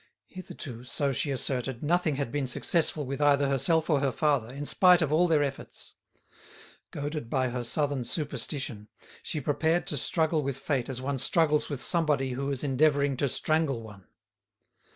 Hitherto, so she asserted, nothing had been successful with either herself or her father, in spite of all their efforts. Goaded by her southern superstition, she prepared to struggle with fate as one struggles with somebody who is endeavouring to strangle one.